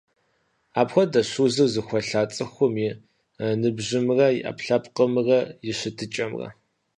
Апхуэдэщ узыр зыхуэлъа цӀыхум и ныбжьымрэ и Ӏэпкълъэпкъым и щытыкӀэмрэ.